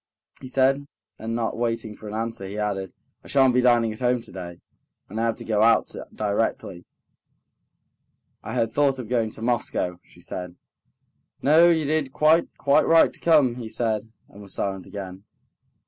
he said, and not waiting for an answer, he added: "I shan't be dining at home today, and I have got to go out directly." "I had thought of going to Moscow," she said. "No, you did quite, quite right to come," he said, and was silent again.